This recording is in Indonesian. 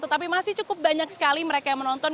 tetapi masih cukup banyak sekali mereka yang menonton